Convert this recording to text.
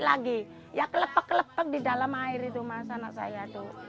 lagi ya kelepek kelepek di dalam air itu mas anak saya itu